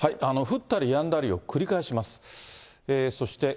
降ったりやんだりを繰り返します。